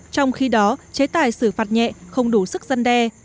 trong khi đó chế tài xử phạt nhẹ không đủ sức dân đe